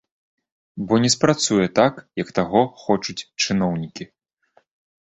Бо не спрацуе так, як таго хочуць чыноўнікі.